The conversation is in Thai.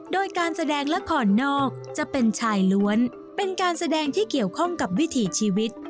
โดยการแสดงละครนอกจะเป็นชายล้วนเป็นการแสดงที่เกี่ยวข้องกับวิถีชีวิต